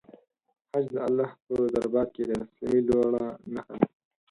حج د الله په دربار کې د تسلیمۍ لوړه نښه ده.